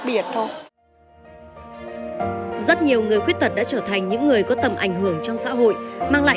biệt thôi rất nhiều người khuyết tật đã trở thành những người có tầm ảnh hưởng trong xã hội mang lại